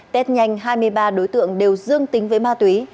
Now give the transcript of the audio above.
tết nhanh hai mươi ba đối tượng đều dương tính với ma túy